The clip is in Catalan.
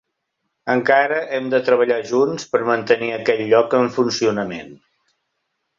Encara hem de treballar junts per mantenir aquest lloc en funcionament.